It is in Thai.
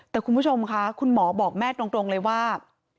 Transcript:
แต่คุณผู้ชมค่ะคุณหมอบอกแม่ตรงเลยว่า